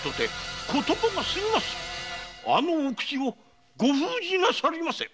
あのお口をご封じなされませ！